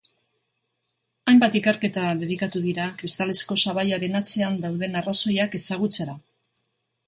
Hainbat ikerketa dedikatu dira kristalezko sabaiaren atzean dauden arrazoiak ezagutzera.